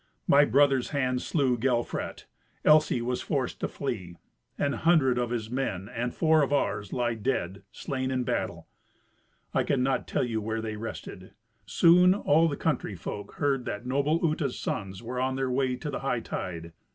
My brother's hand slew Gelfrat. Elsy was forced to flee. An hundred of his men, and four of ours, lie dead, slain in battle." I cannot tell you where they rested. Soon all the country folk heard that noble Uta's sons were on their way to the hightide.